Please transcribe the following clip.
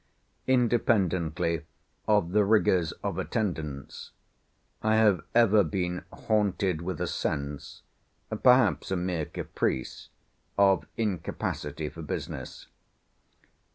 Independently of the rigours of attendance, I have ever been haunted with a sense (perhaps a mere caprice) of incapacity for business.